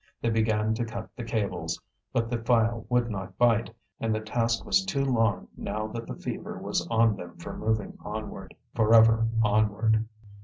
They began to cut the cables, but the file would not bite, and the task was too long now that the fever was on them for moving onward, for ever onward.